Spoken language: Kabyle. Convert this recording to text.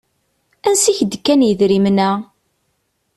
Ansi i ak-d-kkan yedrimen-a?